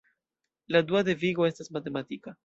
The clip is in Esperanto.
La dua devigo estas matematika.